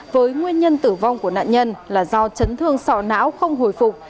với nguyên nhân tử vong của nạn nhân là do chấn thương sọ não không hồi phục